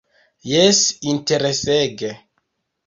Jes, interesege.